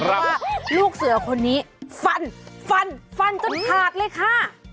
เพราะว่าลูกเสือคนนี้ฟันฟันฟันฟันจนขาดเลยค่ะ